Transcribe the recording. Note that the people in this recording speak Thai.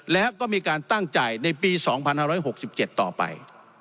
แล้วก็มีการตั้งจ่ายในปี๒๕๖๗ต่อไป